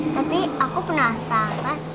tapi aku penasaran